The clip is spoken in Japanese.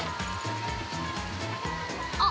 ◆あっ、